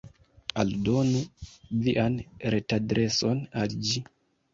Aldonu vian retadreson al ĝi.